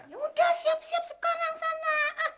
ya udah siap siap sekarang sana